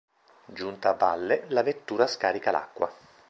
Giunta a valle, la vettura scarica l'acqua.